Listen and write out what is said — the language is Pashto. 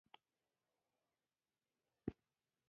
درییم پوړ ته څلور واړه ختلو.